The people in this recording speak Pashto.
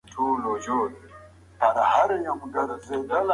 نظري اختلاف په ټولو هیوادونو کې شته.